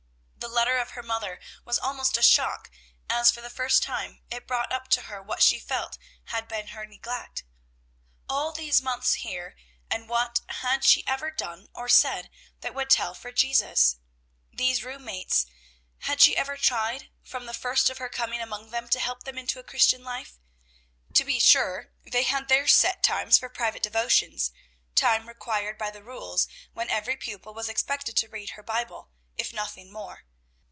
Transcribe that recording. The letter of her mother was almost a shock, as, for the first time, it brought up to her what she felt had been her neglect. All these months here, and what had she ever done or said that would tell for Jesus? Three room mates; had she ever tried, from the first of her coming among them, to help them into a Christian life? To be sure they had their set times for private devotions, time required by the rules, when every pupil was expected to read her Bible, if nothing more.